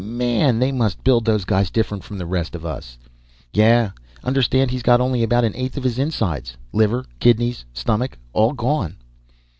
Man, they must build those guys different from the rest of us!... Yeah! Understand he's got only about an eighth of his insides ... liver, kidneys, stomach all gone....